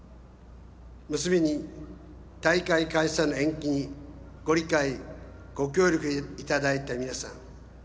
結びに、大会開催の延期にご理解・ご協力をいただいた皆さん